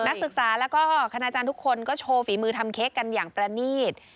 นักศึกษาแล้วก็คณาจารย์ทุกคนก็โชว์ฝีมือทำเค้กกันอย่างประนีต